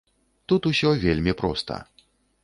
Тут усё вельмі проста.